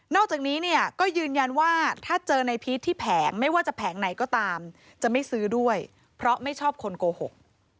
จากนี้เนี่ยก็ยืนยันว่าถ้าเจอในพีชที่แผงไม่ว่าจะแผงไหนก็ตามจะไม่ซื้อด้วยเพราะไม่ชอบคนโกหก